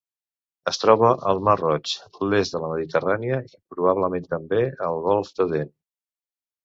Es troba al mar Roig, l'est de la Mediterrània i, probablement també, el golf d'Aden.